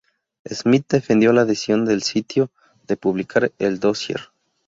Smith defendió la decisión del sitio de publicar el dossier.